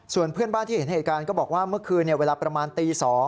ส่วนเพื่อนบ้านที่เห็นเหตุการณ์ก็บอกว่าเมื่อคืนเวลาประมาณตี๒